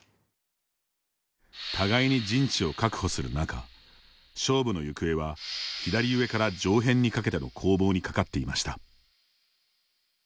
互いに陣地を確保する中勝負の行方は左上から上辺にかけての攻防にかかっていました。